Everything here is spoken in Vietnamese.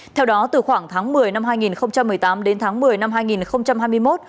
theo đó từ khoảng tháng một mươi năm hai nghìn một mươi tám đến tháng một mươi năm hai nghìn hai mươi một